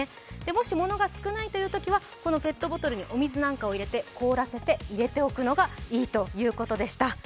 もし、物が少ないときはペットボトルにお水なんかを入れて凍らせて入れておくのがいいということでした。